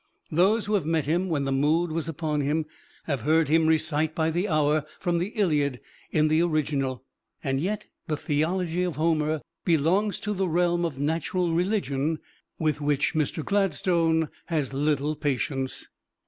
Those who have met him when the mood was upon him have heard him recite by the hour from the "Iliad" in the original. And yet the theology of Homer belongs to the realm of natural religion with which Mr. Gladstone has little patience.